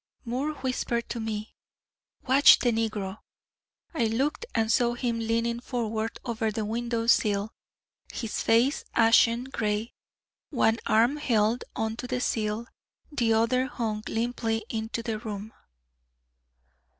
Moore whispered to me: "Watch the negro." I looked and saw him leaning forward over the window sill, his face ashen gray; one arm held on to the sill, the other hung limply into the room.